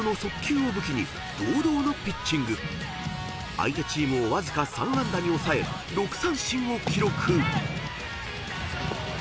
［相手チームをわずか３安打に抑え６三振を記録］